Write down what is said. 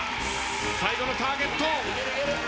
最後のターゲット。